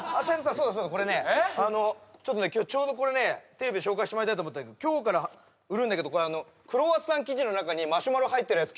そうだそうだこれねちょっとね今日ちょうどこれねテレビで紹介してもらいたいと思った今日から売るんだけどクロワッサン生地の中にマシュマロ入ってるやつ